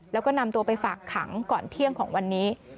แล้วก็นำตัวไปฝากขังก่อนเที่ยงของวันนี้